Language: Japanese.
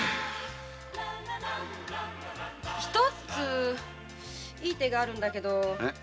一ついい手があるんだけど。